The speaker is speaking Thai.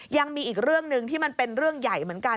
ยังมีอีกเรื่องหนึ่งที่มันเป็นเรื่องใหญ่เหมือนกัน